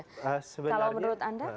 kalau menurut anda